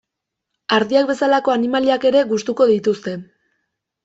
Ardiak bezalako animaliak ere gustuko dituzte.